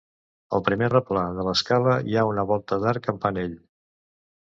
Al primer replà de l'escala hi ha una volta d'arc carpanell.